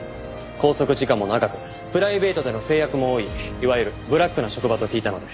拘束時間も長くプライベートでの制約も多いいわゆるブラックな職場と聞いたので。